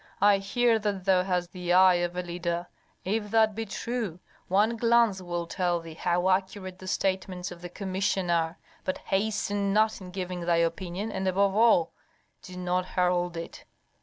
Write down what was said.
I hear that thou hast the eye of a leader; if that be true, one glance will tell thee how accurate the statements of the commission are. But hasten not in giving thy opinion, and above all, do not herald it.